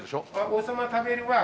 王様食べるのは。